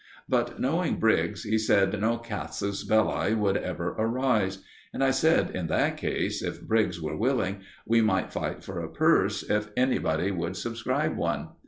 But, knowing Briggs, he said no casus belli would ever arise; and I said in that case, if Briggs were willing, we might fight for a purse, if anybody would subscribe one.